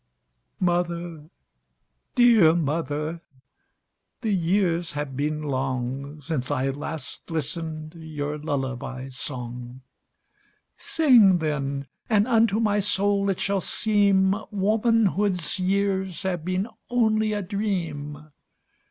Mother, dear mother, the years have been longSince I last listened your lullaby song:Sing, then, and unto my soul it shall seemWomanhood's years have been only a dream.